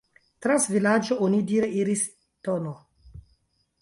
Trans vilaĝo onidire iris tn.